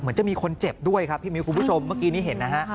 จะมีคนเจ็บด้วยครับพี่มิ้วคุณผู้ชมเมื่อกี้นี้เห็นนะฮะ